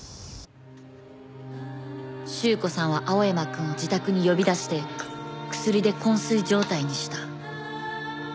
朱子さんは青山くんを自宅に呼び出して薬で昏睡状態にした。